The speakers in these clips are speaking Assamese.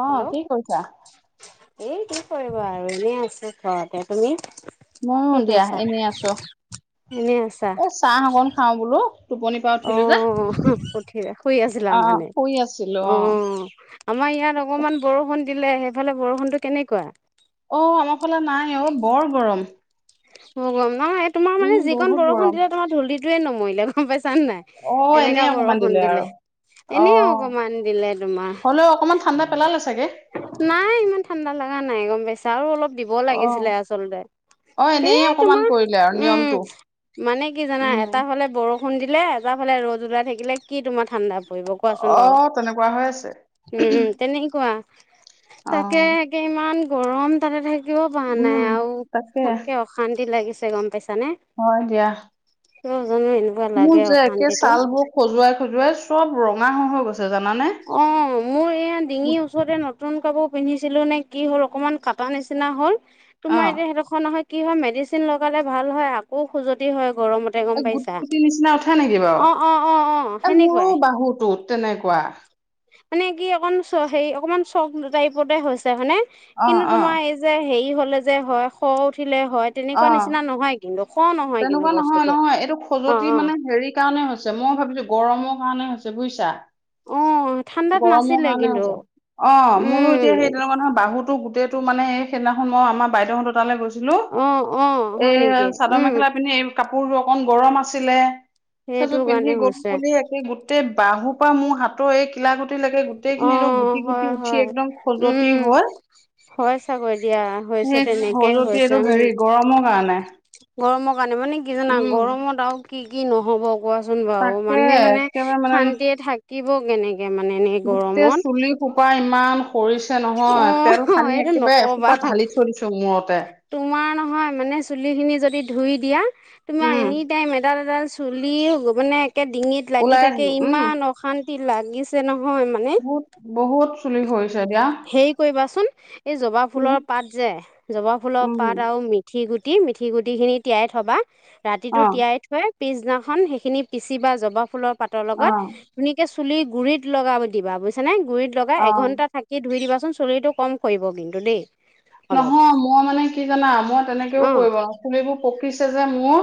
অ হেল্লো কি কৰিছা অ' এই কি কৰিবা আৰু এনেই আছোঁ। ঘৰতে তুমি? ময়ো কি দিয়া কৰিছাঁ এনেই আছো এনেই আছা? এ চাহ অকনমান খাওঁ বোলো টোপনি অ' উঠি শুই আছিলা অ মানে শুই আছিলো অ' আমাৰ ইয়াত অকণমান বৰষুণ দিলে। সেইফালে বৰষুণটো কেনেকুৱা? অ' আমাৰ ফালে নাই অ', বৰ গৰম বৰ গৰম ন তোমাৰ উম যিকণ বহুত বৰষুণ গৰম দিলে তোমাৰ ধূলিবোৰে নমৰিলে গম পাইছানে নাই। অ এনেকা এনেই অকমান বৰষুণ দিলে। আৰু অ এনে আৰু অকমান দিলে তোমাৰ হ'লেও অকমান ঠাণ্ডা পেলালে চাগে নাই ইমান ঠাণ্ডা লগা নাই গম পাইছা আৰু অলপ দিব অ লাগিছিলে আচলতে অ এ এনেই অকমান তোমাৰ কৰিলে আৰু উম' নিয়মটো মানে কি জানা উম এটা হলে বৰষুণ বৰষুণ এটা ফালে ৰ'দ ওলাই থাকিলে কি তোমাৰ ঠাণ্ডা পৰিব। কোৱাচোন অ তেনেকুৱা হৈ আছে বাৰু তেনেকুৱা অ তাকে একে ইমান গৰম তাতে ঠাইত উম' তাকে। অশান্তি লাগিছে গম পাইছানে। হয় দিয়া। কিয় জানোঁ এনেকুৱা? মোৰ লাগে যে একে অশান্তিটো ছাল বোৰ খজুৱাই খজুৱাই চ'ব ৰঙা হৈ হৈ গৈছে জানানে। অঁ, মোৰ এই এতিয়া ডিঙিৰ ওচৰতে নতুন কাপোৰ পিন্ধিছিলো নে কি হ'ল, অকমান কাটা নিচিনা হ'ল তোমাৰ অ এতিয়া সেইডোখৰ নহয়, কি হয় মেডিচিন লগালে ভাল হয়, আকৌ খুজতি হয় গৰমত। গুদগুদি নিচিনা উঠে নেকি বাৰু, অ অ অ মোৰো সেনেকুৱাই বাহুটোত তেনেকুৱা। মানে কি, অকমান চ হেৰি অকমান চক টাইপতে হৈছে, মানে অ', কিন্তু অ', তোমাৰ এই যে হেৰি হলে যে হয় খহু উঠিলে হয়, তেনেকুৱা অ', নিচিনা নহয় কিন্তু, খৰ নহয়। কিন্তু তেনেকুৱা নহয় বস্তুটো নহয়, এইটো অ খজুৱতি অ মানে হেৰি সেই কাৰণে হৈছে, মই ভাবিছো গৰমৰ কাৰণে হৈছে বুজিছা। অ ঠাণ্ডাত গৰমৰ নাছিলে কাৰণে কিন্তু হৈছে, অঁ মোৰো এতিয়া সেই উম তেনেকুৱা নহয় বাহুতো গোটেইটো তু মানে, এই সেইদিনাখন মই আমাৰ বাইদেউহঁতৰ তালৈ গৈছিলো, অ অ এই হয় নেকি চাদৰ উম মেখেলা পিনে এই কাপোৰটো অকনমান গৰম আছিলে, সেইটো সেইযোৰ কাৰণে পিন্ধি গলো হৈছে বুলি একে গোটেই বাহু পৰা মোৰ হাত এই কিলা গুটি লৈকে অ গোটেইখিনি আৰু গুটি হয় গুটি উঠি হয় এক্দম খজুৱতি উম হয় হয় চাগৈ দিয়া, হৈছে তেনেকে খজুৱতি হৈছে এইটো উম। হেৰি গৰমৰ কাৰণে। গৰমৰ কাৰণে মানে কি জানা, উম। গৰমত আৰু কি কি নহ'ব। কোৱাচোন বাৰু, তাকে মানুহে মানে একেবাৰে মানে শান্তিয়ে থাকিব কেনেকে মানে এনে গোটেই গৰমত চুলি সোপা ইমান সৰিছে নহয়, তেল অ' সানি এইটো একেবাৰে নকবা এসোপাত ঢালি থৈ দিছোঁ মূৰত। তোমাৰ নহয় মানে চুলিখিনি যদি ধুই দিয়া, তোমাৰ উম। এনি টাইম এডাল এডাল চু চুলি হু মানে একে ডিঙিত লাগি ওলাই থাকে, আহিলো উম ইমান অশান্তি লাগিছে নহয় মা নে, বহুত বহুত চুলি সৰিছে দিয়া হে কৰিবাচোন, এই জবাব কিনো ফুলৰ পাত যে জবা ফুলৰ উম। পাত আৰু মিথি গুটি, মিথি গুটিখিনি তিয়াই থ'বা, ৰাতিটো অ তিয়াই থৈ পিছদিনাখন সেইখিনি পিচিবা জবা ফুলৰ পাতৰ অ লগত ধুনীয়াকে চুলিৰ গুৰিত লগাই দিবা বুজিছানে, গুৰিত লগাই অ। এঘন্টা থাক কি ধুই দিবাচোন চুলিটো কম সৰিব কিন্তু দেই। অলপ নহয়, মই মানে কি জানা? মই তেনেকেও অঁ কৰিব আৰু চুলিবোৰ পকিছে যে মোৰ।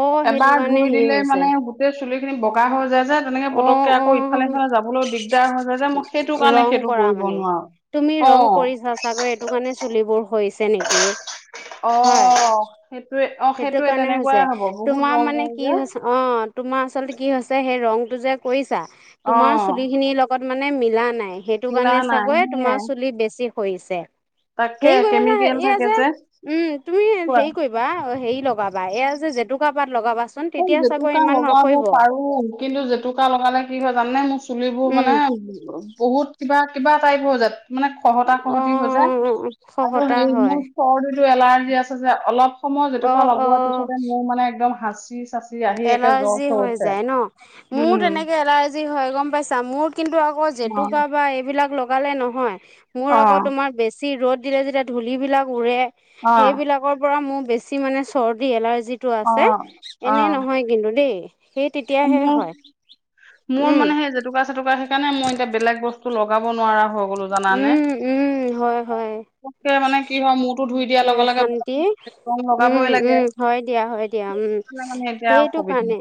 অঁ সেইটো এবাৰ কাৰণে ধুই হেৰি দিলে হৈছে মানেই গোটেই চুলিখিনি বগ গা হৈ যায় যে, তেনেকে অঁ পতককে আকৌ অঁ ইফালে সিফালে যাবলৈ দিগদাৰ হৈ যায় যে, মই সেই কাৰণে ৰং সেইটো কৰা কৰিব মানে নোৱাৰো। তুমি ৰং অ', কৰিছা চাগৈ এইটো কাৰণে চুলিবোৰ সৰিছে নেকি হয়? অঁ, সেইটোয়ে অঁ সেইটো কাৰণে হৈছে, তোমাৰ মানে কি যে হৈছে অ', তোমাৰ আচলতে কি হৈছে, সেই ৰংটো যে কৰিছা তোমাৰ অ', চুলিখিনি লগ গত মানে মিলা নাই, সেইটো হিলা কাৰণে নাই চাগৈ তোমাৰ সেয়াই চুলি বেছি সৰিছে। তাকে হেৰি কৰিবা যে হে কেমিকেল এইয়া থাকে যে উম তুমি কোৱা হেৰি কৰি বা অ হেৰি লগাবা এয়া যে জেতুকা পাত লগাবাছ সেই জেতুকা লগাব পাৰো। কিন্তু জেতুকা লগালে কি হয় জানানে? মোৰ চুলিবোৰ উম মানে ব বহুত কিবা কিবা টাইপৰ হৈ যায় মানে খহতা অ খহতি হৈ যায়, আৰু খহতা সেই হয় মোৰ চৰ্দিটো এলাৰ্জি আছে যে, অলপ সময় অ জেতুকা লগোৱাৰ অ পিছতে মোৰ মানে একদম হাচি চাচ এলাৰ্জি হৈ যায় ন, মোৰ উম, তেনেকে এলাৰ জি হয় গম পাইছা, মোৰ কিন্তু আকৌ অ', জেতুকা বা এইবিলাক লগালে নহয়। মোৰ আকৌ অ'। তোমাৰ বেছি ৰ'দ দিলে যেতিয়া ধূলিবিলাক উৰে অ', সেইবিলাকৰ পৰা মোৰ বেছি মানে চৰ্দি এলাৰ্জিটো আছে, অ', অ, এনেই নহয় কিন্তু দেই। সেই তেতিয়াহে হয়, উম। তুকা চেতুকা সেইকাৰণে মই এতিয়া বেলেগ বস্তু লগাব নোৱাৰা হৈ গলো জানানে। উম উম হয় হয় [unintelligible] মানে কি হয়, মূৰটো ধুই দিয়াৰ কি লগে লগে অশান্তি [unintelligible] উম লাগে উম হয় দিয়া হয় দিয়া উম, সেইকাৰণে মানে এতিয়া সেইটো অসুবিধা। কাৰণে।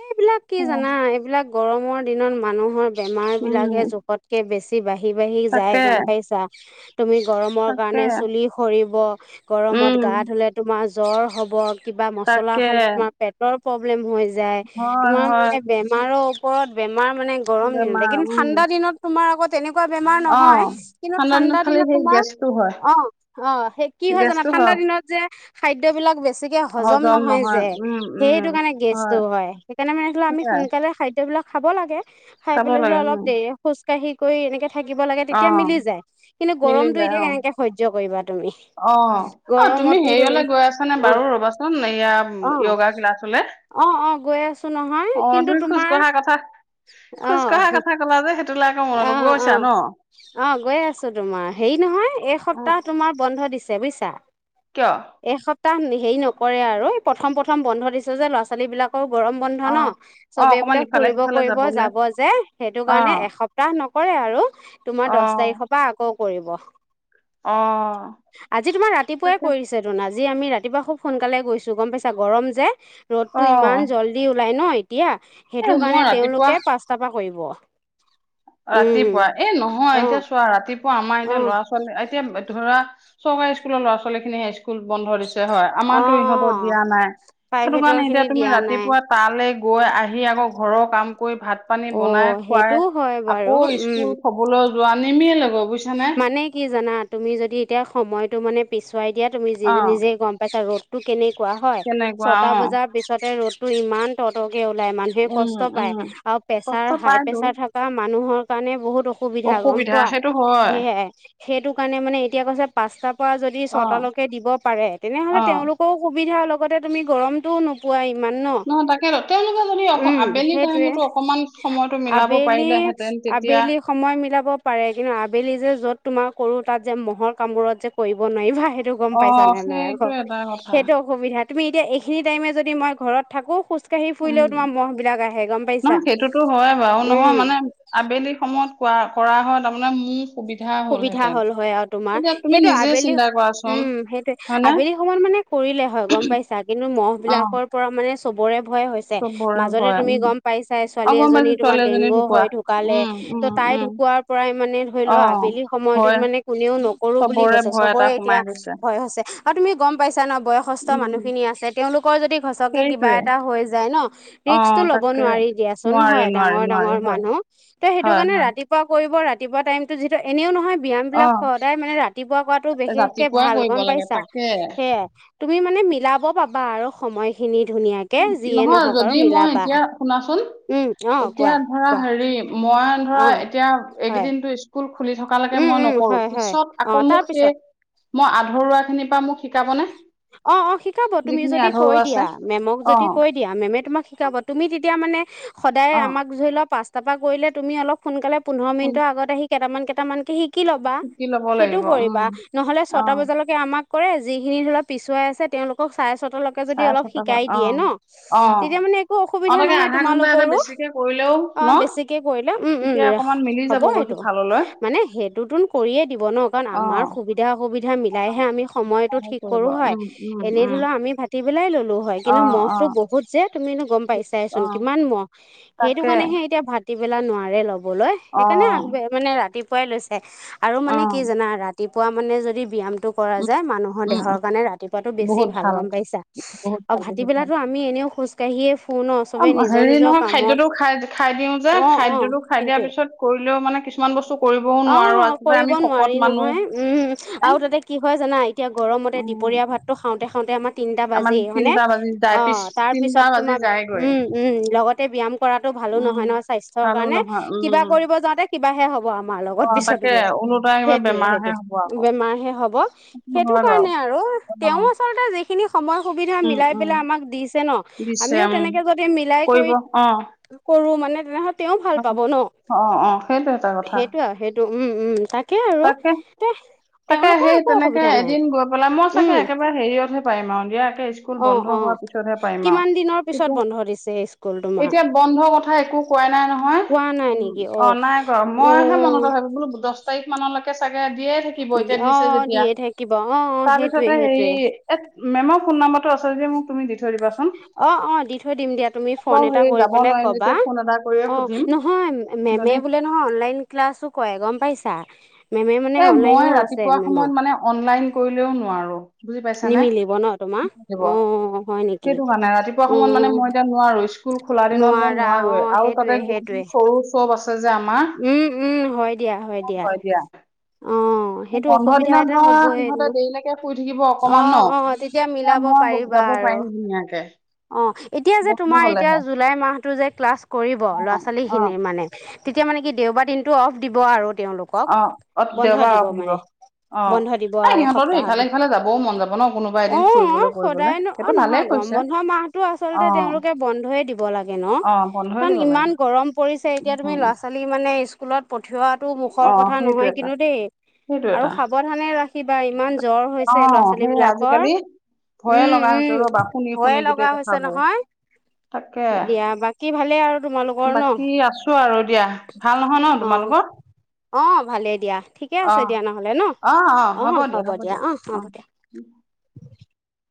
এইবিলাক কি উম, জানা? এইবিলাক গৰমৰ দিনত মানুহৰ বেমাৰবিলাকহে উম, জ কে বেছি বাঢ়ি বাঢ়ি যায় তাকে। গম পাইছা? তুমি গৰমৰ তাকে, কাৰণে চুলি সৰিব, গৰমত উম, গা ধুলে তোমাৰ জ্বৰ হ'ব, কিবা মছলা তাকে খালে তোমাৰ পেট টৰ প্ৰব্লেম হৈ যায় হয় তোমাৰ হয় মানে বেমাৰৰ ওপৰত বেমাৰ মানে গৰম দিনত বেমাৰ কিন্তু উম। ঠাণ্ডা দিনত তোমাৰ আকৌ তেনেকুৱা বেমাৰ অ নহয় কিন্তু ঠাণ্ডা খালি দিনত সেই তোমাৰ গেছটো হয় অ অ সেই কি হয় জানা ঠাণ্ডা দিনত যে খাদ্যবিলাক বেছিকে হজম নহয় যে। সেইটো কাৰণে গেছটো হয় সেইকাৰণে মানে ধৰ আমি সেয়াই সোনকালে খাদ্যবিলাক খাব লাগে। খাই খাব পেলাই ধৰা লাগে উম অলপ দেৰি খোজকাঢ়ি কৰি এনেকে থাকিব লাগে অ তেতিয়া মিলি যায় কিন্তু মিলি গৰমটো যায় এতিয়া অ কেনেকে সহ্য কৰিবা তুমি? অ, অ তুমি হেৰিয়লে গৈ আছানে অ বাৰু ৰ'বাচোন অ এয়া য়গা ক্লাছলে? অ অ গৈ আছো নহয় অ কিন্তু তুমি খোজ তোমাৰ কঢ়া কথা অহ। [unintelligible] অ [unintelligible] গৈছা ন? অ গৈ আছো তোমাৰ হেৰি নহয় উম এসপ্তাহ তোমাৰ বন্ধ দিছে বুজিছা? কিয়? এসপ্তাহ হেৰি নকৰে আৰু প্ৰথম-প্ৰথম বন্ধ দিছে যে ল'ৰা-ছোৱালী বিলাক আকৌ গৰম বন্ধ অ ন অ চবেই অকমান বোলে ইফালে ফুৰিব সিফালে কৰিব যাবলে যাব যে সেইটো অ কাৰণে এসপ্ত এসপ্তা নকৰে আৰু তোমাৰ অ দহ তাৰিখৰ পৰা আকৌ কৰিব। অ আজি তোমাৰ ৰাতিপুৱাই তাকে কৰিছে আজি আমি ৰাতিপুৱা খুব সোনকালে গৈছো গম পাইছা গৰম যে অ ৰ'দটো ইমান যল দি ওলায় ন এতিয়া এ সেইটো মই কাৰণে ৰাতিপুৱা তেওঁলোকে পাঁচটা পৰা কৰিব। উম ৰাতিপুৱা এই নহয় অ এতিয়া চোৱা ৰাতিপুৱা আমাৰ অ অ এতিয়া ল'ৰা-ছোৱালী এতিয়া ধৰা চৰকাৰী স্কুলৰ ল'ৰা-ছোৱালী খিনি হাই স্কুল বন্ধ দিছে হয় অ আমাৰতো ইহঁতৰ দিয়া নাই সেইটো প্ৰাইভেটৰ কাৰণে এতিয়া খিনি তুমি দিয়া নাই ৰাতিপুৱা তালৈ গৈ আহি আকৌ ঘৰৰ কাম কৰি ভাত পানী অ বনাই, খুৱাই সেইটোও হয় বাৰু উম শুবলৈ যোৱা নিমিলে মানে কি জানা তুমি যদি এতিয়া সময়তটো মানে পিছুৱাই দিয়া তুমি অ নিজে গম পাইছা ৰ'দতটো কেনেকুৱা হয় কেনেকুৱা ছয়টা অ বজাত পিছতে ৰ'দ টো ইমান তহ, তহকে ওলাই মানুহে উম কষ্ট উম পায় আৰু প্ৰেছাৰ কষ্ট হাই পাইতো প্ৰেছাৰ থাক থকা মানুহৰ কাৰণে বহুত অসুবিধা গম পোৱা? সেইটো হয়। সেয়াই সেইটো কাৰণে এতিয়া কৈছে পাঁচটাৰ পৰা যদি অ ছটা লকে দিব পাৰে তেনেহলে অ তেওঁলোক টো সুবিধা লগতে তুমি গৰমটো নো নহয় তাকে তেওঁলোকে যদি অ' উম আবেলি সেইটোৱে টাইমতো অকনমান সময়তো মিলাব আবেলি পাৰিলেহে তেন তেতিয়া আবেলি সময় মিলাব পাৰে। কিন্তু আবেলি যে য'ত তোমাৰ কৰোঁ তাত যে মহৰ কামবোৰত যে কৰিব নোৱাৰিবা সেই টো গম অ পাইছা নে নাই আকৌ সেইটো এটা কথা সেইটো অসুবিধা তুমি এতিয়া এইখিনি টাইমেদি মই ঘৰত থাকো খোজ কহি উম ফুৰিলেও তোমাৰ মহ বিলাক আহে গম পাইছা নহয় সেইটোতো হয় বাৰু নহয় উম, মানে আবেলি সময়ত কোৱা কৰা হয় তাৰমানে মুখ সুবিধা হ'ল হয় আৰু তোমাৰ তুমি সেইটো নিজে আবেলি চিন্তা কৰাচোন উম, সেইটো হয়নে আবেলি সময়ত মানে কৰিলে হয় গম পাইছা কিন্তু মহ অ বিলাকৰ পৰা মানে চবৰে ভয় হৈছ ছে চবৰে মাজতে ভয় তুমি উম গম পাইছাই অ ছোৱালী গম এজনী পাইছো তোমাৰ ছোৱালী এজনী ডেংগু ঢুকুৱা হয় ঢুকালে উম উম ত' তাই উম ঢুকোৱাৰ পৰাই মানে ধৰি অ লোৱা আ আবেলি সময়তোত ভয় মানে কোনেও নকৰো বুলি চবৰে কৈছে ভয় এটা চবৰে এতিয়া সোমাই গৈছে ভয় হৈছে। অ' তুমি গম পাইছা না বয়স সস্থ উম মানুহখিনি আছে, তেওঁলোকৰ যদি সচকে কিবা সেইটোৱে এটা হৈ যায় ন অ ৰিক্স টো ল'ব তাকে নোৱাৰি দিয়া। তুন নোৱাৰি হয় নোৱাৰি ডাঙৰ, নোৱাৰি ডাঙৰ হয় মানুহ, ত' সেইটো হয় কাৰণে হয় ৰাতিপুৱা কৰিব। ৰাতিপুৱা টাইমতো এনেও নহয় অ ব্যায়ামবিলাক সদায় মানে ৰাতিপুৱা কৰাটো বিশেষকে ৰাতিপুৱাই ভাল কৰিব গ'ম লাগে পাইছা তাকে সেয়াই। তুমি মানে মিলাব পাবা আৰু সময় খিনি ধুনীয়াকে। যিয়ে নহয়, নহওক আৰু যদি মই মিলাবা এতিয়া শুনাচোন? উম অ এতিয়া কোৱা ধৰা, কোৱা হেৰি মই ধৰা, অ এতিয়া এই হয় কেইদিনটো স্কু ল খুলি থকালৈকে উম মই উম নকৰো, হয় হয় পিছত আকৌ অ মোক তাৰপিছত সেই মই আধৰুৱা খিনিৰ পৰা মোক শিকাবনে? অ অ শিকাব তুমি যিখিনি যদি কৈ আধৰুৱা দিয়া আছে। মেমক অ যদি কৈ দিয়া মেমে তোমাক শিকাব। তুমি তেতিয়া মানে সদায় অ আমাক ধৰি লোৱা পাঁচ টাৰপা কৰিলে তুমি অলপ সোনকালে পোন্ধৰ শুন মিনিট মানৰ আগত আহি কেইটামান, কেইটামান কে সিক কি ল'বা শিকি লব সেইটো লাগিব কৰিবা। উম নহ'লে অ ছটা বজালৈ লৈকে আমাক কৰে, যিখিনি ধৰি লোৱা পিছুৱাই আছে তেওঁলোকক চাৰে ছটালৈকে তে যদি চাৰে অলপ ছটা পৰা শিকাই অ দায়ে ন, অ তেতিয়া মানে একো অ অসুবিধা তাকে নহয় আধা ঘন্টা এটা তোমালোকৰো। বেছিকে কৰিলেও অঁ' ন বেছিকে কৰিলে, উম উম তেতিয়া অকমান মিলি হ'ব যাবগৈ সেইটো, সিফাললৈ মানে সেইটোতোন- কৰিয়ে দিব ন, কাৰণ অ আমাৰ সুবিধা অসুবিধা মিলাইহে আমি স- সময়টো সহায় ঠিক কৰিব কৰো হয়, উম উম এনেই ধৰি উম লোৱা- আমি ভাটি বেলাই ল'লো হয়। অ কিন্তু মহ অ টো বহুত যে তুমিনো গ'ম অ পাইছাচোন কিমান মহ? সেইটো তাকে কাৰণেহে এতিয়া ভাটিবেলা নোৱাৰে লবলৈ, অ সেইকাৰণে আগবে- কিছুমানে ৰাতিপুৱাই লৈছে। আৰু অ মানে কি জানা ৰাতিপুৱা মানে যদি ব্যায়ামটো ক- উম যে মানুহৰ উম দেহৰ কাৰণে ৰাতিপুৱাতো বেছি ভাল, গ'ম পাইছা? বহুত আৰু ভাল ভাটি বহুত ভাল বেলাটো আ- মি এনেও খোজকাঢ়িয়ে ফো- ফুৰু ন, অ চবে নিজৰ হেৰি নিজৰ নহয় কামত, খাদ্যটো খাই খাই দিওঁ যে অঁ' অঁ' খাদ্যটো খাই দিয়াৰ সেইটোয়ে। পিছত কৰিলেও মানে কিছুমান বস্তু কৰিবও নোৱাৰো অঁ' আচলতে কৰিব আমি শকত নোৱাৰি মানুহ নহয় উম' নে, আৰু তাতে কি হয়- জানা, এতিয়া গৰমতে উম দুপৰীয়া ভাতটো খাওঁতে খাওঁতে আমাৰ- তিনটা আমাৰ বাজেই হয়নে? তিনটা বাজি যায় পিছ অঁ' তাৰ তিনটা পিছত বাজি তোমাৰ যায়গৈ উম উম লগতে ব্যায়াম- কৰাটো ভালো উম নহয় নহয় স্বাস্থ্যৰ ভালো কাৰণে, নহয় কিবা উম কৰিব যাওঁতে কিবাহে হ'ব আমাৰ অ লগত পিছত। তাকে ওলোটাই কিবা সেইটোয়ে বেমাৰহে সেইটোৱে, হ'ব আকৌ বেমাৰহে হ'ব। সেইটো হয় বাৰু কাৰণে আৰু, অ তেওঁ আচলতে যি- খিনি সময় সুবিধা উম মিলাই উম পেলাই আমাক দিছে ন, দিছে আমিও উম তেনেকে যদি মিলাই- কৰি কৰিব অঁ'। কৰো মানে তেনেহ'লে তেওঁ ভাল পাব ন? অ অ সেইটো এটা কথা সেইটো আৰু সেইটো উম উম, তাক- তাকে, তাকে সেই একো তেনেকে অসুবিধা নাই এদিন গৈ পেলাই মই চাগে উম একেব- বাৰে হেৰিয়তহে পাৰিম আৰু দিয়া একে ইচ- স্কুল অ বন্ধ অ হোৱাৰ পিছতহে পাৰিম আৰু। কিমান দিনৰ পিছত বন্ধ দিছে স্কুল তোমাৰ এতিয়া- বন্ধ কথা একো কোৱাই নাই নহয়। কোৱা নাই উম, নেকি অ অঁ' নাই কৰা অ মইহে মনতে ভাবি বোলো দচ- মানলেকে চাগে দিয়ে থাকিব এতিয়া অ দিছে যেতিয়া। দিয়ে থাকিব অ অ সেইটোৱে তাৰপিছতে সেইটোৱে হেৰি- এহ মেমৰ ফোন নম্বাৰটো আছে যদি মোক তুমি দি থৈ দিবা। অঁ' অঁ' দি থৈ দিম দিয়া, তুমি বাৰু ফোন এটা হেৰি কৰি যাব পেলাই নোৱাৰিম যেতিয়া ক'বা। ফোন এটা কৰিয়ে অঁ' সুধিম নহয়, মেমে যদি বোলে নহয় অনলাইন ক্লাছো কৰে গ'ম পাইছা? মেমে মানে এ মই অনলাইনো আছে ৰাতিপুৱা মেমৰ। সময়ত মানে অনলাইন কৰিলেও নোৱাৰোঁ। বুজি পাইছানে? নিমিলিব ন তোমাৰ অ হয় নেকি সেইটো কাৰণে ৰাতিপুৱা অ সময়ত মানে মই এতিয়া- নোৱাৰো, স্কুল খোলা দিনত মই নোৱাৰা অ নোৱাৰোৱে, আৰু সেইটোৱে তাতে সেইটোৱে গৰু চৰু চব আছে যে আমাৰ। উম' উম' হয় দিয়া, হয় দিয়া। হয় দিয়া। অঁ'। বন্ধৰ দিনত ধৰ সিহঁতে দেৰিলেকে শুই থাকিব অ অকমান ন, অ তেতিয়া মিলাব মই গ- যাব পাৰিম ধুনীয়াকে। অঁ এতিয়া যে বন্ধ তোমাৰ এতিয়া হলেহে জুলাই মাহতটো যে ক্লাছ কৰিব, ল'ৰা অ অ ছোৱালীখিনিৰ মানে- তেতিয়া মানে দেওবাৰ দিনটো অফ দিব আৰু তেওঁলোক। অঁ অফ দেওবাৰ অক দিব। অঁ বন্ধ দিব এই আৰু সিহঁততো সপ্তাহত ইফালে সিফালে যাবও মন যাব ন, কোনোবা অ এদিন ফুৰিবলে কৰিবলে। সদায়নো অ' নহয়, গৰম বন্ধ মাহতো আচলতে তেওঁলোকে বন্ধই দিব লাগে ন, অ বন্ধই কাৰণ দিব লাগে ইমান গৰম- পৰিছে এতিয়া তুমি উম, ল'ৰা ছোৱালী মানে স্কুলত পঠিওৱাতো অ মুখৰ কথা সেইটো নহয় এটা কিন্তু দেই। সেইটো আৰু এটা সাৱধানে ৰাখিবা ইমান জ্বৰ অ হৈছে ল'ৰা ছোৱালী সেই বিলাকৰ। আজিকালি ভয়ে উম লগা হৈছে ৰ'বা, উম শুনি ভয়ে শুনি গোটেই লগা হৈছে কথাবোৰ। নহয় তাকে, দিয়া বাকী ভালেই আৰু তোমালোকৰ ন বাকী আছো আৰু দিয়া। ভাল নহয় ন অ তোমালোকৰ। অ ভালেই দিয়া ঠিকে অ আছে দিয়া নহ'লে ন অ হ'ব দিয়া অ হ'ব দিয়া।